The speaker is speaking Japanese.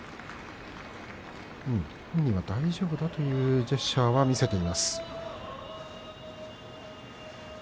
本人は、大丈夫だというジェスチャーは見せています。